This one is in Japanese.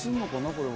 これは。